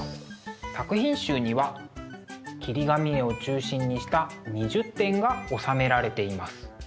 作品集には切り紙絵を中心にした２０点がおさめられています。